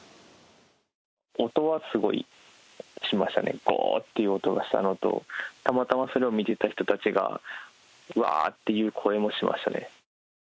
音はすごいしましたね、ごーっという音がしたのと、たまたまそれを見てた人たちが、わーっていう声もしましたね。